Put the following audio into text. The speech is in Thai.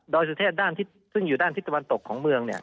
ดอยสุเทพซึ่งอยู่ด้านศิษย์ตะวันตกของเมืองเนี่ย